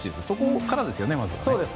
そこからですよね。